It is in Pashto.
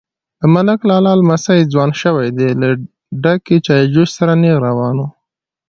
_د ملک لالا لمسی ځوان شوی دی، له ډکې چايجوشې سره نيغ روان و.